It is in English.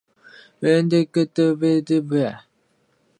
Several prelates and princes wrote to the pope on Cesena's behalf.